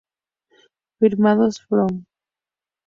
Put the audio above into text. Firmado: Fromm"".